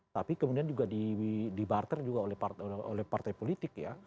tapi kemudian juga dibarter juga oleh partai politik ya